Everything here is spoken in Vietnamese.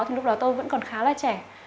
thì lúc đó tôi vẫn còn khá là trẻ